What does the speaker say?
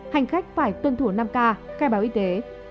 hành khách phải tuân thủ năm k khai báo y tế